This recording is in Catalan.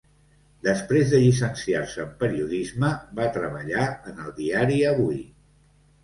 Després de llicenciar-se en Periodisme va treballar en el diari Avui.